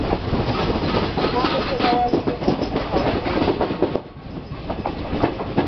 Akambe ke bawa lubuga kawe erinnya.